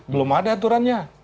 belum ada aturannya